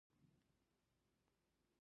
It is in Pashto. استاد بینوا د بیان د ازادی پلوی و.